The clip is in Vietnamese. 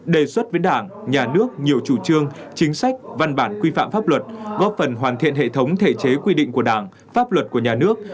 đề xuất với đảng nhà nước nhiều chủ trương chính sách văn bản quy phạm pháp luật góp phần hoàn thiện hệ thống thể chế quy định của đảng pháp luật của nhà nước